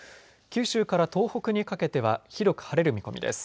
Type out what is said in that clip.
九州から東北にかけては広く晴れる見込みです。